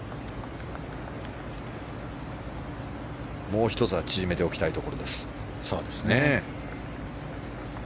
もう１つは縮めておきたいところです。